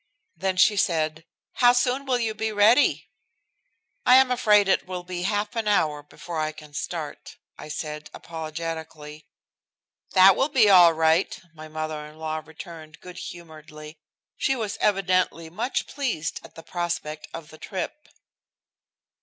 Then she said, "How soon will you be ready?" "I am afraid it will be half an hour before I can start," I said apologetically. "That will be all right," my mother in law returned good humoredly. She was evidently much pleased at the prospect of the trip.